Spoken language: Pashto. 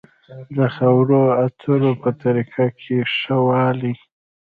د خبرو اترو په طريقه کې ښه والی.